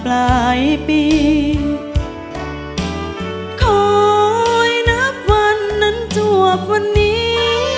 ปลายปีคอยนับวันนั้นจวบวันนี้